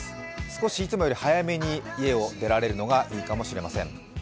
少し、いつもより早めに家を出られるのがいいかもしれません。